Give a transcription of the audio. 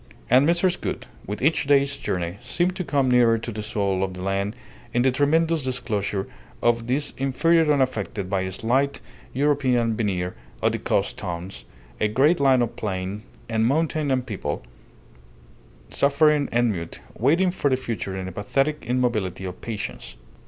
And Mrs. Gould, with each day's journey, seemed to come nearer to the soul of the land in the tremendous disclosure of this interior unaffected by the slight European veneer of the coast towns, a great land of plain and mountain and people, suffering and mute, waiting for the future in a pathetic immobility of patience.